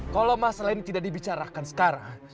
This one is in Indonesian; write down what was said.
kalau masalah ini tidak dibicarakan sekarang